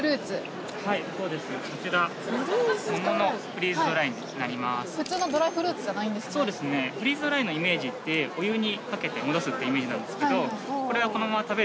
フリーズドライのイメージってお湯にかけて戻すってイメージなんですけど。